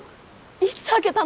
いつ開けたの？